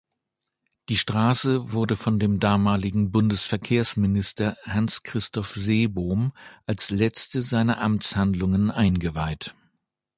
Die Straße wurde vom damaligen Bundesverkehrsminister Hans-Christoph Seebohm als letzte seiner Amtshandlungen eingeweiht.